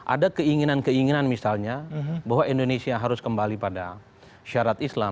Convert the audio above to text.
ada keinginan keinginan misalnya bahwa indonesia harus kembali pada syarat islam